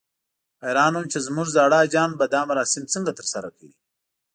حیران وم چې زموږ زاړه حاجیان به دا مراسم څنګه ترسره کوي.